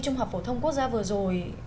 trung học phổ thông quốc gia vừa rồi